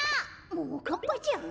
ももかっぱちゃん？